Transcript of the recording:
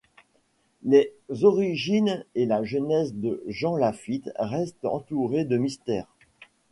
Les origines et la jeunesse de Jean Lafitte restent entourées de mystère.